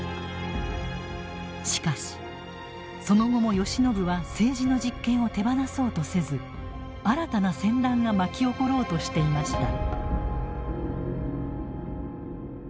しかしその後も慶喜は政治の実権を手放そうとせず新たな戦乱が巻き起ころうとしていました。